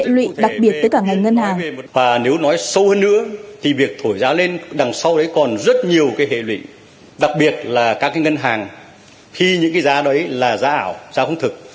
và nếu nói sâu hơn nữa thì việc thổi giá lên đằng sau đấy còn rất nhiều cái hệ lụy đặc biệt là các cái ngân hàng khi những cái giá đấy là giá ảo giá không thực